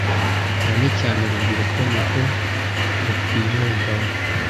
cyane cyane urubyiruko nirwo rukwiyumvamo